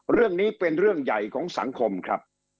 เรื่องนี้เป็นเรื่องใหญ่ของสังคมครับ